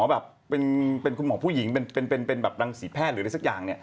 แบบเป็นคุณหมอผู้หญิงเป็นแบบรังสีแพทย์หรืออะไรสักอย่างเนี่ย